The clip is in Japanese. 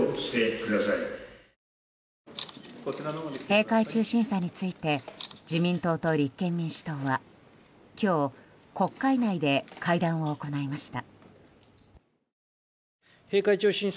閉会中審査について自民党と立憲民主党は今日、国会内で会談を行いました。